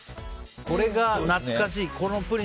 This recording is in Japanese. これが懐かしい。